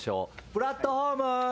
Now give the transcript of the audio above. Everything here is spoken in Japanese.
プラットホーム。